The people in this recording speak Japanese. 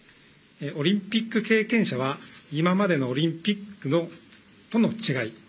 オリンピック経験者は今までのオリンピックとの違い。